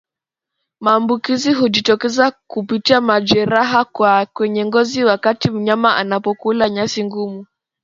Maambukizi hujitokeza kupitia majeraha kwenye ngozi wakati mnyama anapokula nyasi ngumu